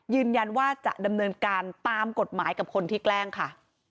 ยืนยันว่าจะดำเนินการตามกฎหมายกับคนที่แกล้งค่ะ